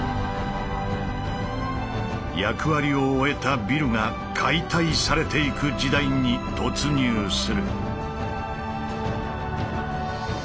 役割を終えたビルが解体されていく時代に突入する。